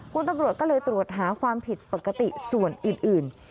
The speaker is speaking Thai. คุณตำรวจก็เลยตรวจหาความผิดปกติส่วนอื่น